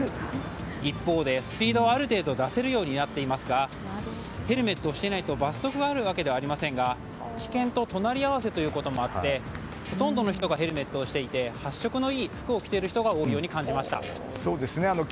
一方で、スピードをある程度出せるようになっていますがヘルメットをしていないと罰則があるわけではないですが危険と隣り合わせということもあってほとんどの人がヘルメットをしていて発色のいい服を着ている人が多いように感じました。